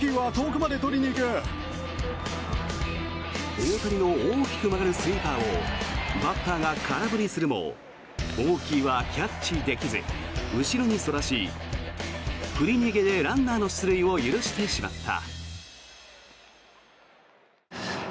大谷の大きく曲がるスイーパーをバッターが空振りするもオーキーはキャッチできず後ろにそらし振り逃げで、ランナーの出塁を許してしまった。